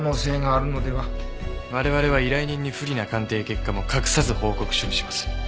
我々は依頼人に不利な鑑定結果も隠さず報告書にします。